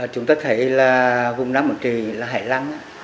chúng ta thấy là vùng đá mộng trì là hải lăng